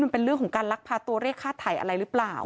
มันเป็นเรื่องของการลักพาตัวเรียกฆ่าไถ่อะไรหรือเปล่า